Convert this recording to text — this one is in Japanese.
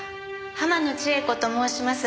浜野千絵子と申します。